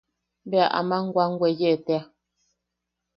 Bea aman wam weye tea.